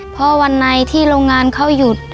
พอวันในที่โรงงานเขาหยุด